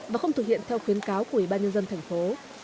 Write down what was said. và không thực hiện theo khuyến cáo của ủy ban nhân dân thành phố